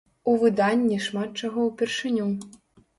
У выданні шмат чаго ўпершыню.